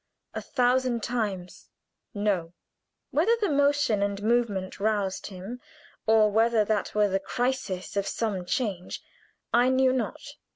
A thousand times, no! Whether the motion and movement roused him, or whether that were the crisis of some change, I knew not.